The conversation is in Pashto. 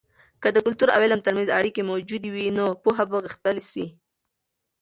که د کلتور او علم ترمنځ اړیکې موجودې وي، نو پوهه به غښتلې سي.